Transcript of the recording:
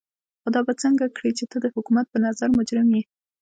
خو دا به څنګه کړې چې ته د حکومت په نظر مجرم يې.